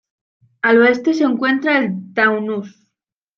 Al oeste se encuentra el Taunus.